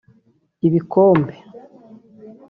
Ibikombe